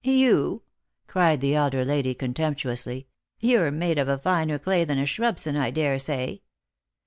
" You!" cried the elder lady, contemptuously ; "you're made of a finer clay than a Shrubson, I daresay."